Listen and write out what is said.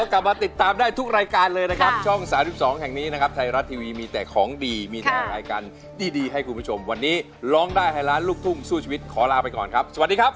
กลับมาติดตามได้ทุกรายการเลยนะครับช่อง๓๒แห่งนี้นะครับไทยรัฐทีวีมีแต่ของดีมีแต่รายการดีให้คุณผู้ชมวันนี้ร้องได้ให้ล้านลูกทุ่งสู้ชีวิตขอลาไปก่อนครับสวัสดีครับ